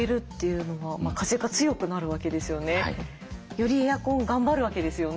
よりエアコン頑張るわけですよね？